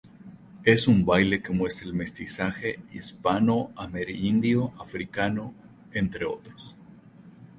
Es un baile que muestra el mestizaje hispano-amerindio-africano, entre otros.